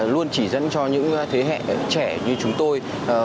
luôn chỉ dẫn cho những thế hệ trẻ như chúng tôi